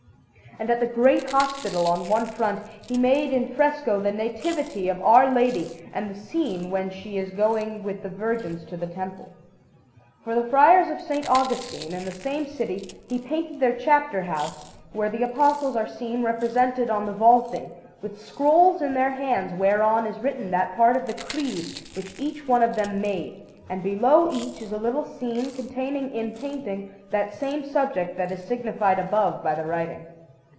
And at the great hospital, on one front, he made in fresco the Nativity of Our Lady and the scene when she is going with the virgins to the Temple. For the Friars of S. Augustine in the same city he painted their Chapter house, where the Apostles are seen represented on the vaulting, with scrolls in their hands whereon is written that part of the Creed which each one of them made; and below each is a little scene containing in painting that same subject that is signified above by the writing.